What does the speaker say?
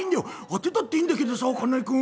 当てたっていいんだけどさ金井君